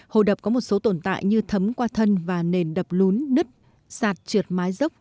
hồ đập có một số tồn tại như thấm qua thân và nền đập lún nứt sạt trượt mái dốc